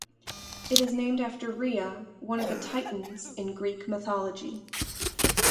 It is named after Rhea, one of the Titans in Greek mythology.